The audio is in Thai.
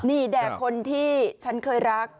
นี่แด่คนที่ฉันเคยรัก